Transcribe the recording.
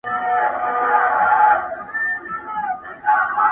له کلونو پوروړی د سرکار وو؛